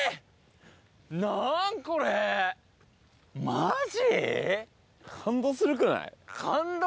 マジ？